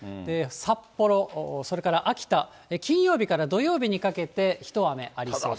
札幌、それから秋田、金曜日から土曜日にかけて一雨ありそうです。